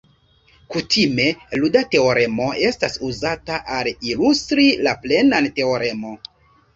Kutime, luda teoremo estas uzata al ilustri la plenan teoremo.